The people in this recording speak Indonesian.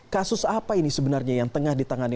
kasus apa ini sebenarnya yang tengah ditangani